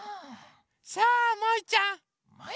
さあもいちゃんもい？